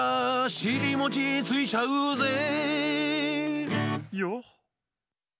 「しりもちついちゃうぜ」ヨ？